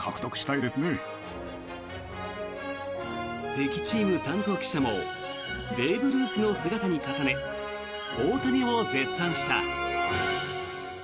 敵チーム担当記者もベーブ・ルースの姿に重ね大谷を絶賛した。